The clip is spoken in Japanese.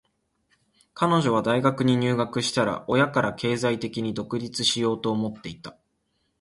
彼女は大学に入学したら、親から経済的に独立しようと思っていた。